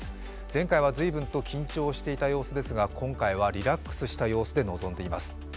前回は随分と緊張していた様子ですが、今回はリラックスした様子で臨んでいます。